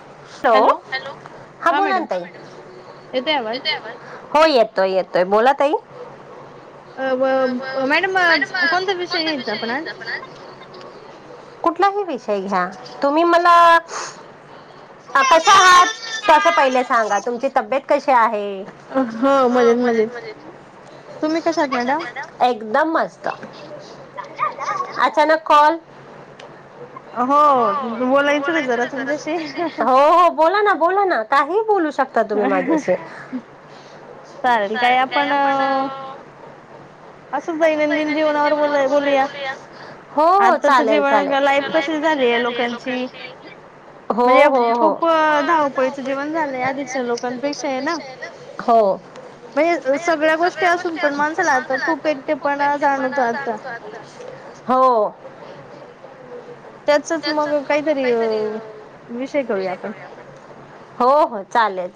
Hello हा बोला तई हो येतोय येतोय बोलात- ते. अ मॅडम कोणता विषय घ्यायचा आपण आज? कुठलाही विषय घ्या तुम्ही मला. [inaudible] कसे आहे? एकदम मस्त अचानक कॉल- हो बोलायचं ना जरा तुमच्याशी. हो हो बोला ना. बोला ना काही बोलू- शकता तुम्ही माझ्याशी. चालेल काय आपण असं दैनंदिन जीवनावर ब बोलूया हो चालेल चालेल लाईफ कशी झाली लोकांची- म्हणजे खूप धावपळीचं जीवन झालंय. आधीच्या लोकांपेक्षा आहे ना सगळ्या गोष्टी असून पण माणसाला आता खूप एकटेपणा जाणवतो आता. हो [inaudible] त्याचच मग काहीतरी अ विषय करूया आपण. हो हो चालेल.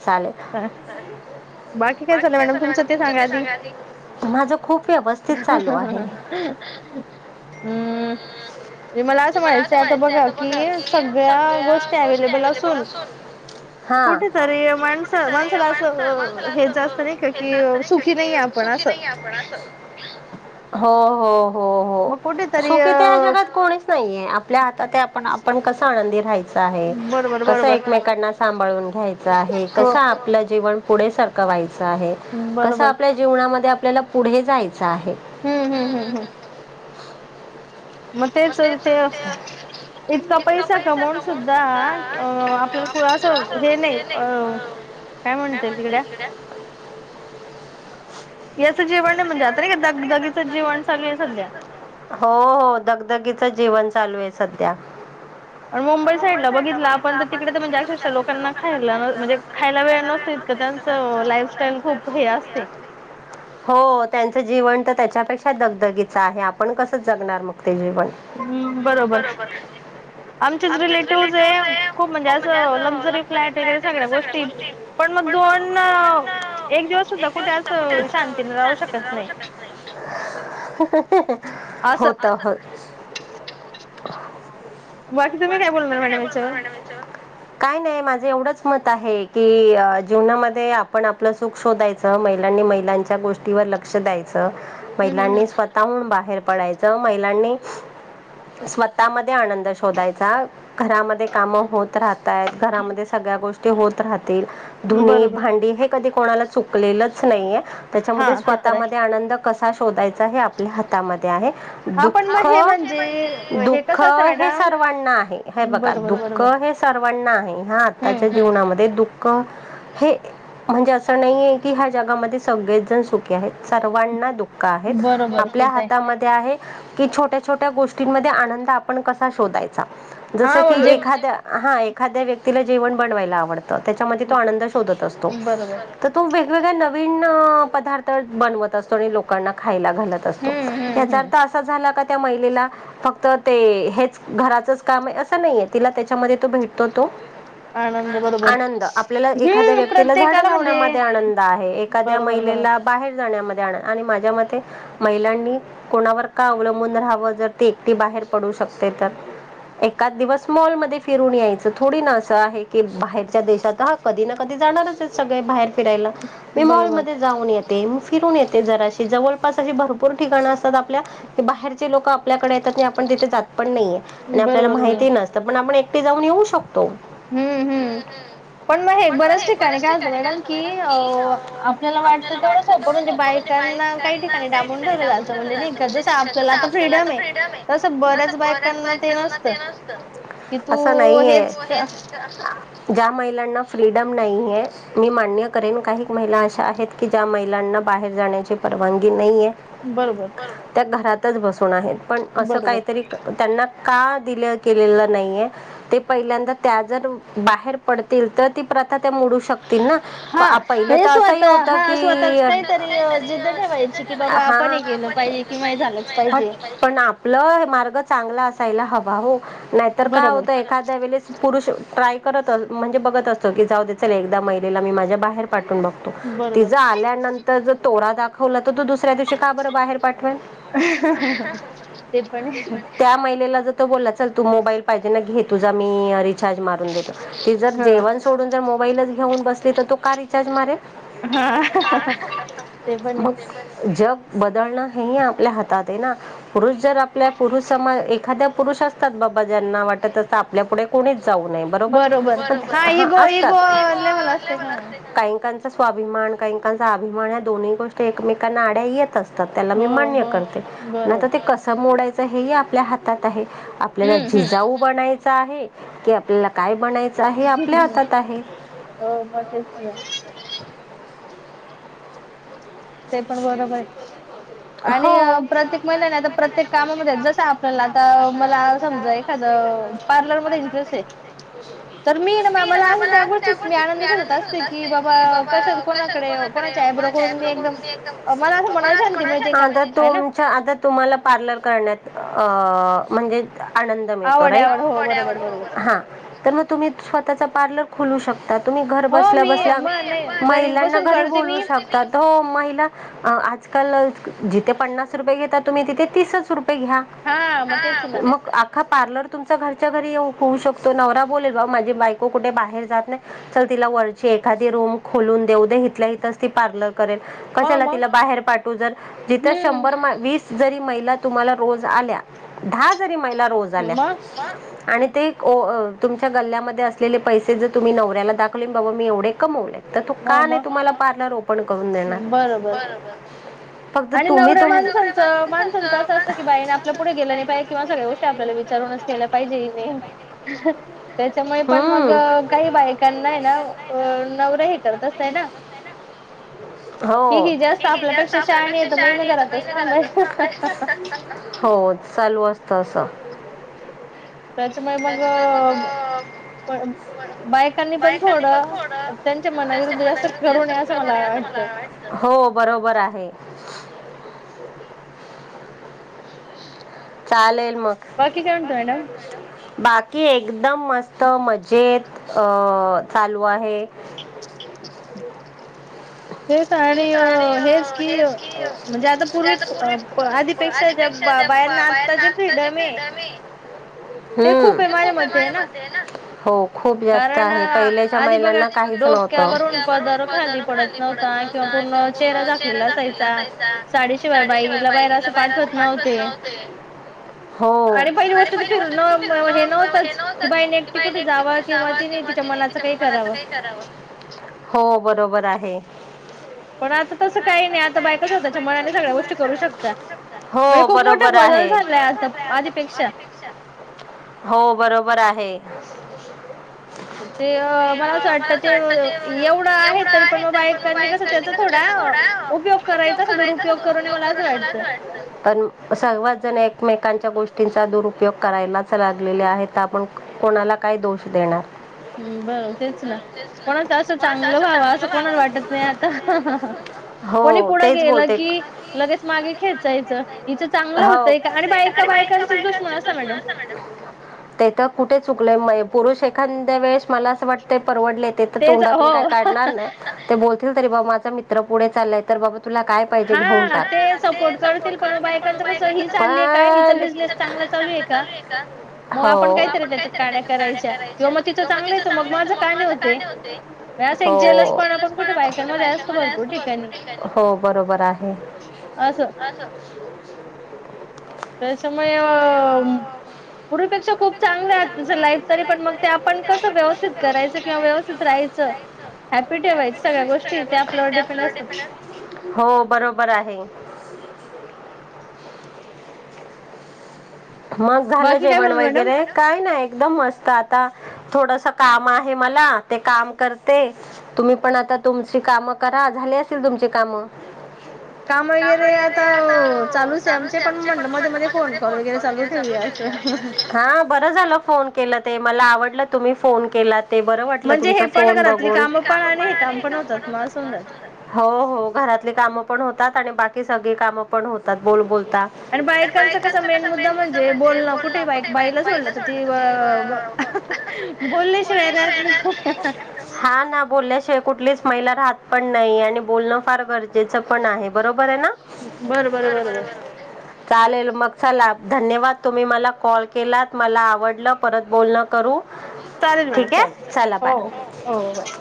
बाकी काय झालं मॅडम तुमचं ते सांगा आधी. ह ह ह ह हम्म मला असं म्हणायचं आता बघा कि सगळ्या गोष्टी अवेलेबल असून. हा माणसाला अस हेच जास्त नाही का की सुखी नाही आपण अस हो हो. हो हो सुखी तर ह्या जगात कोणीच नाहीये. आपल्या हातात आहे. आपण आपण कस आनंदी राहीचं. कस एकमेकांना सांभाळून घ्यायचं आहे. कसं आपलं जीवन पुढे सरकवायचं. कस आपल्या जीवनामध्ये आपल्याला पुढे जाईल. हम्म हम्म हम्म हम्म. मग ते त ते इतका पैसा कमवून सुद्धा अ आपलंळातून ते नाही अ काय म्हणतय तिकड्या याचं जीवन नाही म्हणजे आता नाही का दग दगीचं जीवन चालू आहे सध्या. जीवन चालू आहे सध्या. पण मुंबई साईडला बघितलं आपण तर तिकडे तर म्हणजे अक्षरशः लोकांना खायला म्हणजे खायला वेळ नसतो. इतकं त्यांच लाईफस्टाईल खूप हे असते. त्याच्यापेक्षा दगदगीचा आहे. आपण कस जगणार मग. हम् बरोबर आमचेच रिलेटिव्हज आहे खूप म्हणजे असं लक्झरी फ्लॅट वगैरे सगळ्या गोष्टी पण मग दोन एक दिवस सुद्धा कुठे अस शांतीने राहू शकत नाही. होत होय. [inaudible] बाकी तुम्ही काय बोलणार मॅडम याच्यावर? काय नाही माझं एवढंच मत आहे. की जीवनामध्ये आपण आपलं सुख शोधायचं महिलांनी महिलांच्या गोष्टीवर लक्ष द्यायचं. महिलांनी स्वतःहून बाहेर पडायचं, महिलांनी स्वतःम ध्ये आनंद शोधायचा. घरामध्ये काम होत राहतय घरामध्ये सगळ्या गोष्टी ते होत राह तील धुनी भांडी हे कधी कोणाला चुकलेलंच नाहीये. त्याच्यामध्ये स्वतः मध्ये आनंद कसा शोधायचा हे आपल्या हातामध्ये आहे. दु ख दुःख हे सर्वांना आहे. हे बघा दुःख हे सर्वांना आहे. हा आताच्या जीवनामध्ये दु ख हे म्हणजे असं नाहीय की ह्या जगामध्ये सगळेच जण सुखी आहेत. सर्वांना दु क आहेत आपल्या हातामध्ये आहे. की छोट्या छोट्या गोष्टींमध्ये आनंद आपण कसा शोधायचा? जस की एखाद्या हा एखाद्या व्यक्तीला जेवण बनवायला आवड त. त्याच्यामध्ये तो आनंद शोधत असतो. तर तो वे गवेगळ्या नवीन पदार्थ बनवत असतो आणि लोकांना खायला घालत असतो. याचा अर्थ असा झाला का त्या महिलेला फक्त ते हेच घराचच काम आहे असं नाहीये तिला त्याच्यामध्ये तो भेटतो तो आनंद आपल्याला एखाद्या व्यक्तीला झाडं लावण्यामध्ये आनंद आहे. एखाद्या महिलेला बाहेर जाण्यामध्ये आनंद. माझ्या मते महिलांनी कोणावर का अवलंबून राहावं जर ती एकटी बाहेर पडू शकते. तर एकाच दिवस मॉलमध्ये फिरून यायचं थोडी ना असं आहे की बाहेरच्या देशात हा कधी ना कधी जाणारच. सगळे बाहेर फिरायला. मी मॉलमध्ये जाऊन येते. फिरून येते जराशी जवळपास अशी भरपूर ठिकाण असतात आपल्या बाहेरचे लोक आपल्याकडे येतात आणि आपण तिथे जात पण नाहीे आणि आपल्याला माहिती नसतं पण आपण ए कटी जाऊन येऊ शक हम्म हम्म पण मग हे बऱ्याच ठिकाणी काय होतं माहिते की आपल्याला वाटतं तेवढं सोपं म्हणजे बायकांना काही ठिकाणी डांबून ठेवलं जात म्हणजे नाही का जा कसं चालतं तर आता फ्रीडम आहे तसं बऱ्याच बायकांना ते नसत. असं नाहीये. हेच अ असं. ज्या महिलांना फ्रीडम नाहीय मी मान्य करेन काही महिला अशा आहेत की ज्या महिलांना बाहेर जाण्याची परवानगी नाहीये. बरोबर. घरातच बस सुन आहेत पण अस काहीतरी त्यांना का दिलं केलेलं नाहीये ते पहिल्यांदा त्या जर बाहेर पडतील तर ती प्रथा त्या मोडू शक हा म्हणजे स्व हा स्वतःच काहीतरी जिद्द ठेवायची की बाबा आपण हे के पाहिजे कि पण आपलं मार्ग चांगला अस सायला हवा हो. नाहीतर काय होत एखाद्या वेलेस पुरुष ट्राय करत म्हणजे बघत असतो की जाऊ च एकदा महिलेला मी माझ्या बाहेर पाठवून बघतो. तिजा आल्यानंतर जो तोरा दा खवला तर, तू दुसऱ्या दिवशी का बरं बाहेर पाठवेल? त्या महिलेला जर! तो बोला, चल तू मोबाईल पाहिजे ना, घे तुझा मी रिचार्ज मारून देतो. ती जर जेवण सोडून जर मोबाईलच घेऊन बस! तिथ तर तो का रिचार्ज मारे! हा ते पण य! बदलणं हे आप [unintelligible] आपल्या हातात आहे ना, पुरुष जर आपल्या पुरुष समा एखाद्या पुरुष असतात. बाबा ज्यांना वाटत असत आपल्या पुढे कोणी! ब [unintelligible] स्वाभिमान, काही काहींचा अभिमान, या दोन्ही गोष्टी एकमेकांना अड्या येतच! त्यांना मी मान्य! ते कस मोडायच [unintelligible] हे ही आपल्या हातात आहे. आपल्याला जिजाऊ बनायच! आहे की, आपल्याला काय! बनायचं आहे आपल्या हातात आहे. ते पण बरोबर आहे. आणि प्रत्येक महीलाने, आता प्रत्येक कामामध्ये जस आपल्याला आता मला समजा एखादं पार्लरमध्ये इंटरेस्ट आहे. तर मी ना मला अस त्या गोष्टीत मी आनंद शोधत असते. की बाबा कशा कोणाकडे कोणाच्या एब्रो करून मी एकदम! मला असं मनाला शांती मिळते. आता तुमच्या, आता तुम्हाला पार्लर करण्यात! म्हणजे... आनंद मिळतो, राईट हा तर मग तुम्ही स्वतः पार्लर! खोलू शकत! तुम्ही घर बसल्या, बसल्या, महिलांना घरी बोलू शकता, हो महिला! आजकाल [unintelligible] जिथ पन्नास रुपये घेता. तम्ही तिथ तिसच रुपये! घ्या, का पार्लर तुमचा घरच्या घरी ये होऊ शकतो. नवरा बोलेल बा माझी बायको कुठे बाहेर जात नाही. चल तिला वरची एखादी रूम खोलून देऊ दे इथल्या इथच ती पार्लर! करेल, कशाला तिला बाहेर पाठून जर! जिथे, शंभर, वीस, जरी महिला रोज आल्या, दहा जरी! महिला रोज आल्या! आणि ते तुमच्या गल्ल्यामध्ये असलेले, पैसे जर तुम्ही नवऱ्याला दाखवले. बाबा मी एवढे कमवले! तो का नाही तुम्हाला पार्लर ओप पण करून देणार. आणि नवऱ्या माणसांच माणसांचं असं असत की बाईने आपल्या पुढे गेल नही पाहिजे, किंवा सगळ्या गोष्टी आपल्याला विचारूनच केल्या पाहिजे इनें, त्याच्यामुळे पण मग काही बायकांना आहे ना अ नवरे हे करत असतय ना, हि जास्त आपल्यापेक्षा हो चालू असत आस. [unintelligible] [inaudible] त्याच्यामुळे मग बायकांनी पण थोड त्यांच्या मना विरुद्ध असं करू नये असं मला वाटत हो बरोबर आहे. [unintelligible] चालेल. बाकी काय म्हणता मॅडम. बाकी एकदम मस्त मजेत अ चालू आहे. तेच आणि हेच की. म्हणजे आता पूर्वी प प आधीपेक्षा ज्या बायांना आत्ताच्या फ्रीडम हे. हू ते खूप हे माझ्या मते हे ना हो. कारण आधी बघा डोक्यावरून पदर खाली पडत नव्हता, किंवा पूर्ण चेहरा झाकलेला असायचा. साडी शिवाय बाईला बाहेर अस पाठवत नव्हते हो आणि पहिली गोष्ट फिरणं हे नव्हतच बाईनं एकटी कुठं हो बरोबर आहे. पण आता तस. काही नाही आता बायकच स्वतःच्या मनाने सगळ्या गोष्टी करू शकता, म्हणजे खूप मोठा बदल झालाय आता आधीपेक्षा. [inaudible] ते मला असं वाटत ते एवढं आहे तरी पण म बायकांनी कस त्याचा थोडा उपयोग. पण सर्व जण एकमेका [unintelligible] त्यांच्या गोष्टींचा दुरुपयोग करायलाच लागलेले आहेत आपण कोणाला काय दोष देणार. हू बरो तेच ना कोणाच असं चांगलं व्हाव असं कोणाला वाटत नाही आता. कोणी पुढं गेलं की लगेच मागे खेचायचं, हिचं चांगलं होतय का, आणि बायका बायकांचेच दुश्मन असतात मॅडम. चूकल मय पुरुष एखाद्या वेळेस मला अस वाटतय. परवडले ते त तोंडातून काय काढणार नाय ते बोल तरी बाऊ माझ मित्र पुढे चालय तर बाबत तुला काय पाहिजे घेऊन टाक हो ते सपोर्ट करतील पण बायका च कस ति बिझनेस चांगला चालू आहे का आपण काहीतरी त्याच्या चाड्या करायच्या कवा मग तिचं चांगलं य मग माझ का नाही होते पण कुठे जलस पण असतो भरपूर [unintelligible] हो ब बरोबर आहे. त्याच्यामुळे पुर्वीपेक्षा खूप चांगले आहेत त लाईफ तरी पण मग ते आपण कसं व्यवस्थित करायचं किंवा व्यवस्थित राहायचं हॅपी ठेवायच सगळ्या गोष्टी त्या आपल्यावर डिपेंड असत. हो बरोबर आहे. [inaudible] मग झालं जेवण वगैरे काय नाही. एकदम मस्त आता थोडस काम आहे मला ते काम करते. तुम्ही पण आता तुमची कामं करा झाली असेल तुमची कामं? काम वगैरे आता चालूच आहे, आमचे पण म्हणलं मध्ये मध्ये फोन कॉल वगैरे अस हा बर झालं फोन केल ते मला आवडलं तुम्ही फोन केलात. ते बरं वाटलं तुम फोन बघून हो हो घरातली काम पण होतात आणि बाक की सगळे काम पण होतात बोल बोल आणि बायकांचं कस मेन मुद्दा म्हणजे बोलण कुठे बा बाईला सोडलं तर ती बोलल्याशिवाय राहत नाही. कुठलीच महिला राहत पण नाही आणि बोलणं फार गरजेचं पण आहे बरोबर आहेना? चालेल मग चला धन्यवाद तुम्ही मला कॉल केलात मला आवडलं परत बोलणं करू चालेल मॅडम चालेल, हो हो हो हो बाय